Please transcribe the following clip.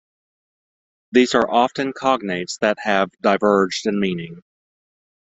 These are often cognates that have diverged in meaning.